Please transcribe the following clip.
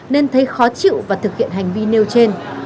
nên thấy khó chịu và thực hiện hành vi nêu trên